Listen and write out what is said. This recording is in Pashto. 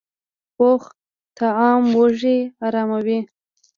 پوخ طعام وږې اراموي